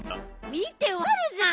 見てわかるじゃん。